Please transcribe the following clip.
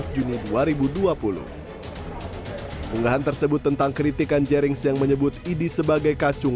juni dua ribu dua puluh unggahan tersebut tentang kritikan jaringan yang menyebut ini sebagai kacung